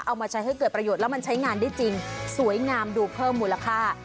เอามาใช้ให้เกิดประโยชน์แล้วมันใช้งานได้จริงสวยงามดูเพิ่มมูลค่า